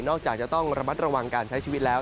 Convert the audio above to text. จากจะต้องระมัดระวังการใช้ชีวิตแล้ว